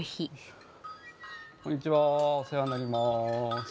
こんにちはお世話になります。